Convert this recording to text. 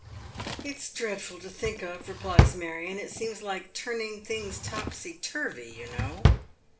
" It's dreadful to think of," replies Marion " It seems like turning things topsy tui vy, you know."